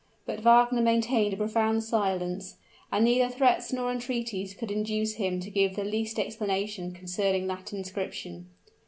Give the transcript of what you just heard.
_" But Wagner maintained a profound silence, and neither threats nor entreaties could induce him to give the least explanation concerning that inscription.